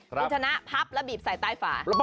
คุณชนะพับแล้วบีบใส่ใต้ฝา